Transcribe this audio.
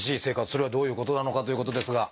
それはどういうことなのかということですが。